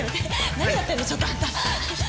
何やってんのちょっとあんた。